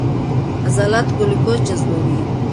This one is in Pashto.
عضلات ګلوکوز جذبوي.